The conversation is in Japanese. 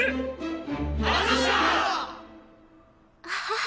ああ。